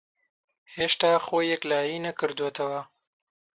ھێشتا خۆی یەکلایی نەکردووەتەوە.